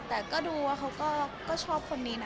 แต่ก็ดูว่าเขาก็ชอบคนนี้นะ